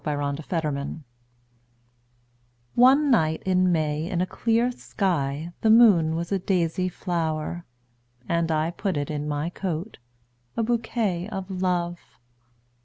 My Flower ONE night in May in a clear skyThe moon was a daisy flower:And! put it in my coat,A bouquet of Love!